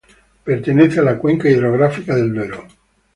Pertenece a la cuenca hidrográfica del Duero.